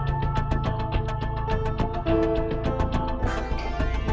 kau gak sudah tahu